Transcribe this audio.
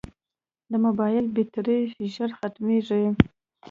د موبایل بیټرۍ ژر ختمیږي.